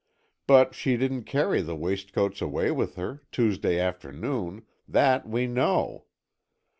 But she didn't carry the waistcoats away with her, Tuesday afternoon—that we know.